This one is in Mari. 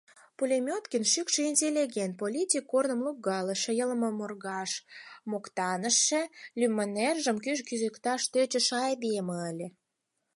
Пулеметкин шӱкшӧ интеллигент, политик корным лугкалыше, йылморгаж, моктаныше, лӱмнержым кӱш кӱзыкташ тӧчышӧ айдеме ыле.